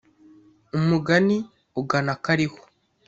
Umugani ugana akariho.